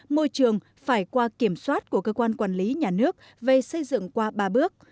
môi trường phải qua kiểm soát của cơ quan quản lý nhà nước về xây dựng qua ba bước